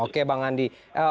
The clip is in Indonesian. oke bang andi